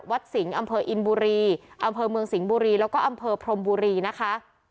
สิงห์อำเภออินบุรีอำเภอเมืองสิงห์บุรีแล้วก็อำเภอพรมบุรีนะคะ